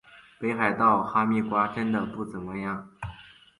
北海道哈密瓜真的不怎么样